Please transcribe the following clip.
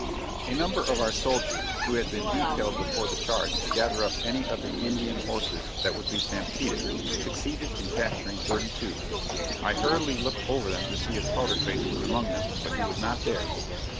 A number of our soldiers, who had been detailed before the charge to gather up any of the Indian horses that would be stampeded, succeeded in capturing thirty two. I hurriedly looked over them to see if Powder Face was among them; but he was not there.